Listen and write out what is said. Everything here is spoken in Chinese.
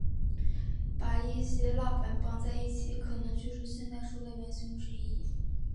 把一些蜡板绑在一起可能就是现代书的原型之一。